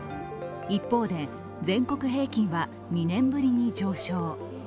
一方で全国平均は２年ぶりに上昇。